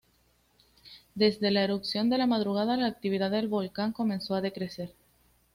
Desde la erupción de la madrugada la actividad del volcán comenzó a decrecer.